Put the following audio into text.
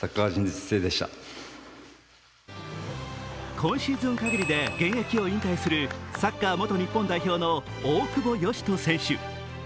今シーズン限りで現役を引退するサッカー元日本代表の大久保嘉人選手。